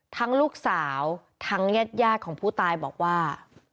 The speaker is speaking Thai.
ทั้งลูกสาวทั้งญาติของผู้ตายบอกว่า